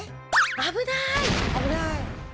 危ない！